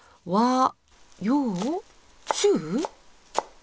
中？